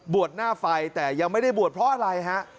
หน้าไฟแต่ยังไม่ได้บวชเพราะอะไรฮะ